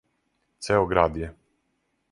Цео град је.